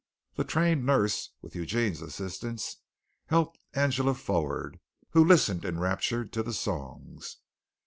The trained nurse, with Eugene's assistance, helped Angela forward, who listened enraptured to the songs.